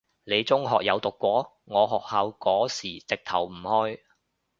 你中學有讀過？我學校嗰時直頭唔開